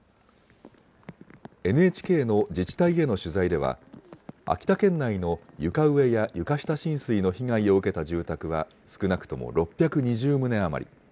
ＮＨＫの自治体への取材では、秋田県内の床上や床下浸水の被害を受けた住宅は少なくとも６２０棟余り。